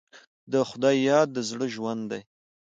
د خدای یاد د زړه ژوند دی.